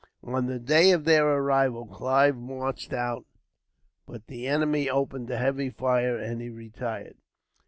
On the day of their arrival Clive marched out, but the enemy opened a heavy fire, and he retired.